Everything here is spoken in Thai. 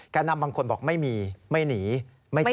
นำบางคนบอกไม่มีไม่หนีไม่เจอ